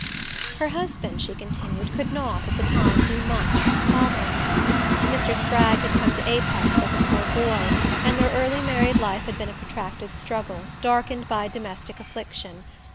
Her husband, she continued, could not, at the time, do much for his father in law. Mr. Spragg had come to Apex as a poor boy, and their early married life had been a protracted struggle, darkened by domestic affliction.